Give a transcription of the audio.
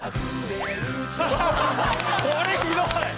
これひどい！